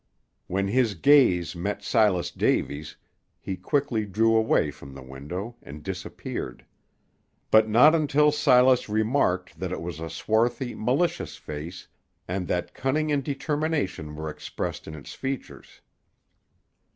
When his gaze met Silas Davy's, he quickly drew away from the window, and disappeared; but not until Silas remarked that it was a swarthy, malicious face, and that cunning and determination were expressed in its features.